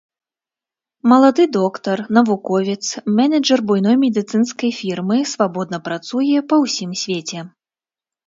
Малады доктар, навуковец, менеджар буйной медыцынскай фірмы свабодна працуе па ўсім свеце.